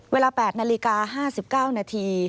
เวลา๘นาฬิกา๕๙นาที